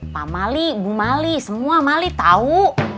pak mali ibu mali semua mali tau